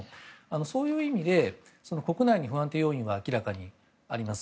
そういう意味で国内に不安定要因が明らかにあります。